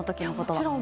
もちろん。